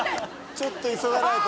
ちょっと急がないと。